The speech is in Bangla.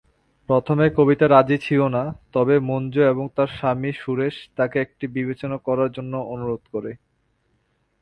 প্রথমে কবিতা রাজী ছিলনা, তবে মঞ্জু এবং তার স্বামী সুরেশ তাকে এটি বিবেচনা করার জন্য অনুরোধ করে।